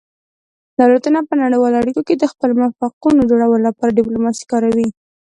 دولتونه په نړیوالو اړیکو کې د خپلو موقفونو جوړولو لپاره ډیپلوماسي کاروي